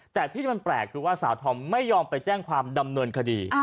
แต่ที่มันแปลกคือว่าสาวธอมไม่ยอมไปแจ้งความดำเนินคดี